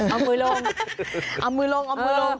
เอามือลงเอามือลงเอามือลง